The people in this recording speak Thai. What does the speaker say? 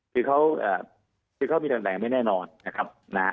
คือเขามีทางแดงไม่แน่นอนนะครับ